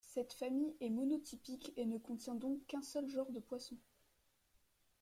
Cette famille est mono-typique et ne contient donc qu'un seul genre de poisson.